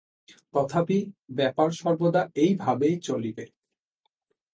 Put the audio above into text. তথাপি ব্যাপার সর্বদা এইভাবেই চলিবে।